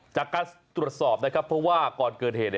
จากการตรวจสอบนะครับเพราะว่าก่อนเกิดเหตุ